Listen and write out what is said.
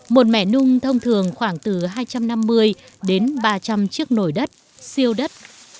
một mẻ nung thông thường khoảng từ hai trăm năm mươi đến ba trăm linh chiếc nổi đất siêu đất